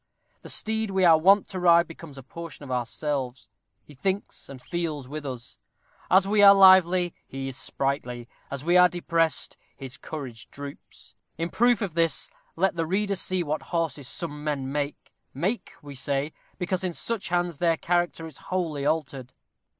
The steed we are wont to ride becomes a portion of ourselves. He thinks and feels with us. As we are lively, he is sprightly; as we are depressed, his courage droops. In proof of this, let the reader see what horses some men make make, we say, because in such hands their character is wholly altered.